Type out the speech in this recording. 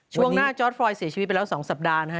ช่วงหน้าจอร์ดฟรอยเสียชีวิตไปแล้ว๒สัปดาห์นะฮะ